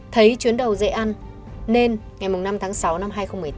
thấy chuyến đầu dễ ăn nên ngày năm tháng sáu năm hai nghìn một mươi tám